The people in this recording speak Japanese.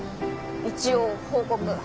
一応報告。